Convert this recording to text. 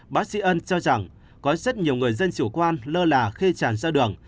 bác sĩ ân cho rằng có rất nhiều người dân chủ quan lơ là khi tràn ra đường